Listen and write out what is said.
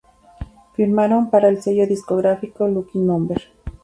Firmaron para el sello discográfico Lucky Number.